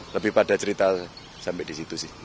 lebih pada cerita sampai di situ sih